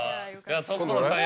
所さん